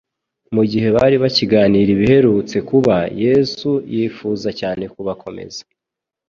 Mu gihe bari bakiganira ibiherutse kuba, Yesu yifuza cyane kubakomeza.